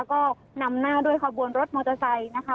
ก็นำหน้าด้วยขบวนรถมอเตอร์ไซค์นะคะ